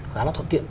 khá là thuận tiện